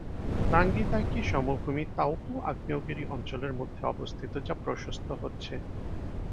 রাঙ্গিতাইকি সমভূমি তাউপো আগ্নেয়গিরি অঞ্চলের মধ্যে অবস্থিত, যা প্রশস্ত হচ্ছে।